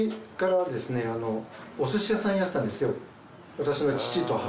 私の父と母。